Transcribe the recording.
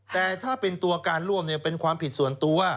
แต่ถ้าเป็นตัวการร่วมเป็นความผิดส่วนตัว